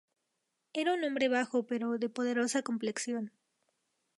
Era un hombre bajo pero de poderosa complexión.